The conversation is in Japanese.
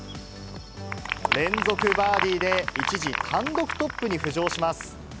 連続バーディーで、一時、単独トップに浮上します。